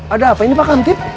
ada apa ini pak kamtip